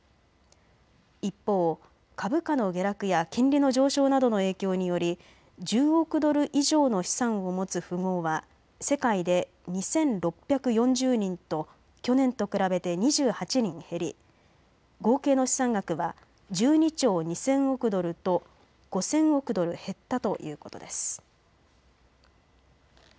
一方、株価の下落や金利の上昇などの影響により１０億ドル以上の資産を持つ富豪は世界で２６４０人と去年と比べて２８人減り合計の資産額は１２兆２０００億ドルと５０００億ドル減ったということです。